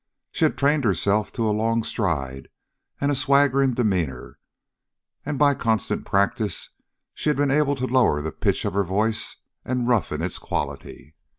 She had trained herself to a long stride and a swaggering demeanor, and by constant practice she had been able to lower the pitch of her voice and roughen its quality.